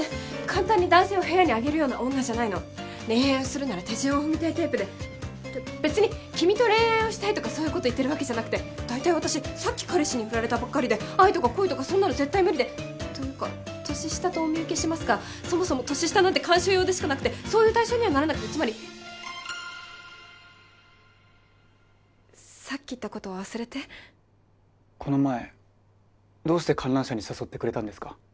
簡単に男性を部屋に上げるような女じゃないの恋愛をするなら手順を踏みたいタイプでって別に君と恋愛をしたいとかそういうこと言ってるわけじゃなくて大体私さっき彼氏にフラれたばっかりで愛とか恋とかそんなの絶対無理でというか年下とお見受けしますがそもそも年下なんて観賞用でしかなくてそういう対象にはならなくてつまりさっき言ったことは忘れてこの前どうして観覧車に誘ってくれたんですか？